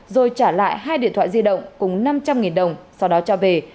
rồi trả lại hai điện thoại di động cùng năm trăm linh triệu đồng sau đó trả về